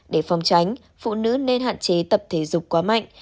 để phòng tránh phụ nữ nên hạn chế tập thể dục quá mạnh